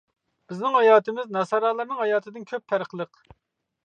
بىزنىڭ ھاياتىمىز ناسارالارنىڭ ھاياتىدىن كۆپ پەرقلىق.